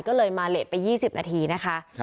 ก็เลยมาเลสไป๒๐นาทีนะคะ